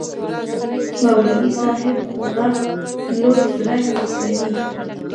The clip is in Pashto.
مولوى صاحب خورا لوى زړه لري.